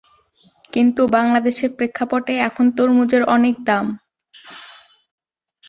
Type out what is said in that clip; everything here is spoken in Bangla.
প্রথম মহিলা ক্রিকেটার হিসেবে একদিনের আন্তর্জাতিকে এক হাজার রান ও একশত উইকেট লাভের কৃতিত্ব প্রদর্শন করেছেন।